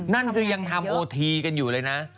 นั่นคือยังทำโอทีกันอยู่เลยนะ